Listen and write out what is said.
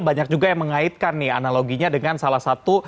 banyak juga yang mengaitkan nih analoginya dengan salah satu